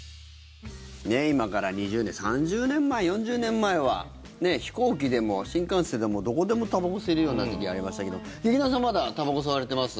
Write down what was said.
今から２０年３０年前、４０年前は飛行機でも新幹線でもどこでもたばこ吸えるような時がありましたけど劇団さんはまだたばこ吸われてます？